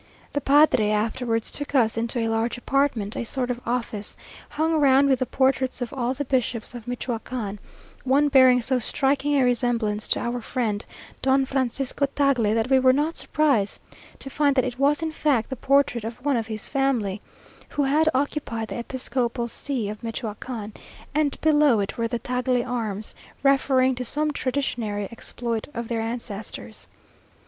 The padre afterwards took us into a large apartment, a sort of office, hung round with the portraits of all the bishops of Michoacán; one bearing so striking a resemblance to our friend, Don Francisco Tagle, that we were not surprised to find that it was in fact the portrait of one of his family, who had occupied the episcopal see of Michoacán; and below it were the Tagle arms, referring to some traditionary exploit of their ancestors.